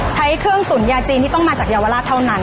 ใช้เครื่องตุ๋นยาจีนที่ต้องมาจากเยาวราชเท่านั้น